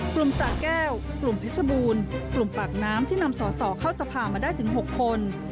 กลุ่มสาแก้วกลุ่มพริชบูรณ์กลุ่มปากน้ำที่นำสศเข้าสภามาได้ถึง๖คน